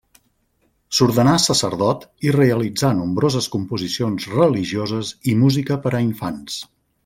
S'ordenà sacerdot i realitzà nombroses composicions religioses i música per a infants.